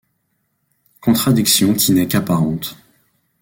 Contradiction qui n’est qu’apparente.